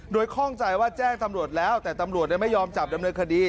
โดยข้องใจว่าแจ้งตำรวจแล้วแต่ตำรวจไม่ยอมจับดำเนินคดี